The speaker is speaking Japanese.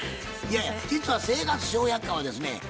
いやいや実は「生活笑百科」はですね